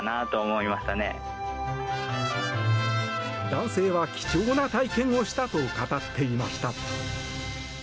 男性は、貴重な体験をしたと語っていました。